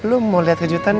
lo mau liat kejutan ya